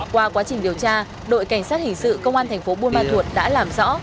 qua quá trình điều tra đội cảnh sát hình sự công an thành phố buôn ma thuột đã làm rõ